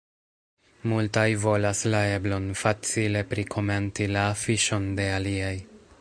Multaj volas la eblon facile prikomenti la afiŝon de aliaj.